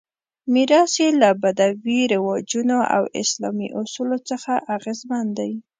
میراث یې له بدوي رواجونو او اسلامي اصولو څخه اغېزمن دی.